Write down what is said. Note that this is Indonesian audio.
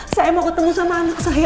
saya mau ketemu sama anak saya